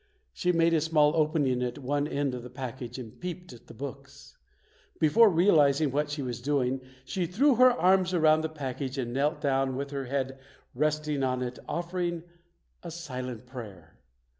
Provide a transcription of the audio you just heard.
She made a small opening at one end of the package and peeped at the books. Before realiz ing what she was doing, she threw her arms around the package and knelt down with her head resting on it, offering a silent prayer.